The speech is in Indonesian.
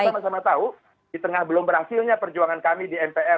kita sama sama tahu di tengah belum berhasilnya perjuangan kami di mpr